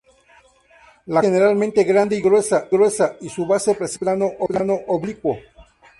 La concha es generalmente grande y gruesa, y su base presenta un plano oblicuo.